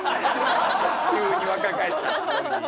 急に若返った。